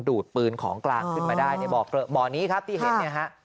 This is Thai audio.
ดูดปืนของกลางขึ้นมาได้ในบ่อเกลอะบ่อนี้ครับที่เห็นเนี่ยฮะ